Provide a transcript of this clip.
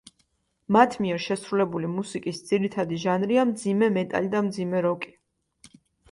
მათ მიერ შესრულებული მუსიკის ძირითადი ჟანრია მძიმე მეტალი და მძიმე როკი.